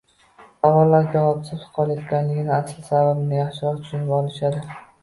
Savollari javobsiz qolayotganligining asl sababini yaxshiroq tushunib olishadi